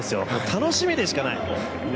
楽しみでしかない！